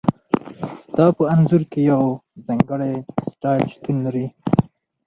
ستا په انځور کې یو ځانګړی سټایل شتون لري